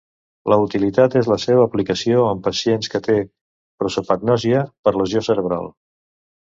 La utilitat és la seva aplicació en pacients que té prosopagnòsia per lesió cerebral.